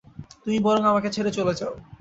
তুমি বরং আমাকে ছেড়ে চলে যাও।